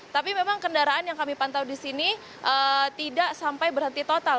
tapi memang kendaraan yang kami pantau di sini tidak sampai berhenti total